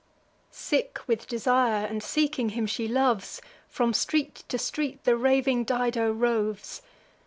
Sick with desire, and seeking him she loves, From street to street the raving Dido roves.